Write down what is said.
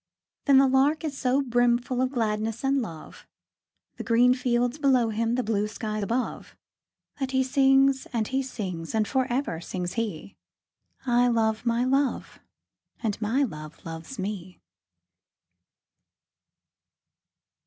But the Lark is so brimful of gladness and love, The green fields below him, the blue sky above, That he sings, and he sings; and for ever sings he 'I love my Love, and my Love loves me!'